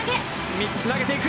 ３つ、投げていく！